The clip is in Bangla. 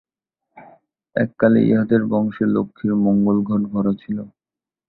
এককালে ইহাদের বংশে লক্ষ্মীর মঙ্গলঘট ভরা ছিল।